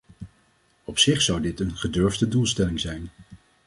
Op zich zou dit een gedurfde doelstelling zijn.